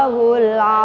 tidak ada dominansen